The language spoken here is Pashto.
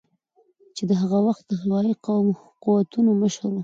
چې د هغه وخت د هوایي قوتونو مشر ؤ